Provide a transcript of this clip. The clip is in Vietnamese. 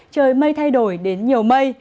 trời mây thay đổi đến nhiều mây